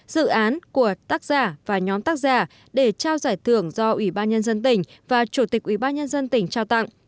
dự án của tác giả và nhóm tác giả để trao giải thưởng do ủy ban nhân dân tỉnh và chủ tịch ủy ban nhân dân tỉnh trao tặng